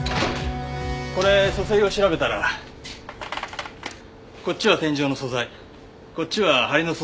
これ組成を調べたらこっちは天井の素材こっちは梁の素材でした。